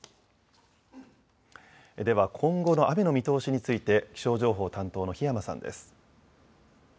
では今後の雨の見通しについて気象情報担当の檜山さんです。